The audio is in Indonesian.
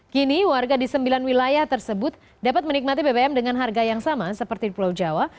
kini warga di sembilan wilayah tersebut dapat menikmati bbm dengan harga yang sama seperti di pulau jawa